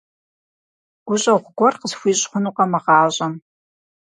ГущӀэгъу гуэр къысхуищӀ хъунукъэ мы гъащӀэм?